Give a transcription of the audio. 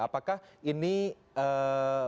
apakah ini ee